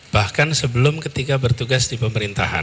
bahkan sebelum ketika bertugas di pemerintahan